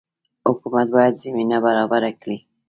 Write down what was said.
حکومت باید زمینه برابره کړي